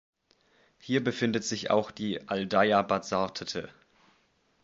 Hier befindet sich auch die Aldeia Bazartete.